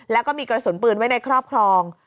แล้วก็มีกระสุนปืนไว้ในครอบครอง